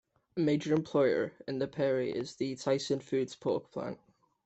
A major employer in Perry is the Tyson Foods pork plant.